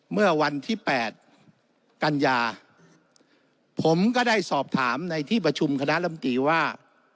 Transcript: เมื่อวันที่๘กันยาผมก็ได้สอบถามในที่ประชุมคณะลำตีว่า